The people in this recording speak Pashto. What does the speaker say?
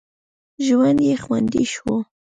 ژوند یې خوندي شو.